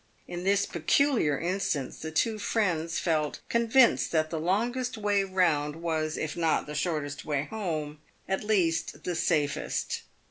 In this peculiar instance the two friends felt convinced that the longest way round was, if not the shortest way home, at least the safest.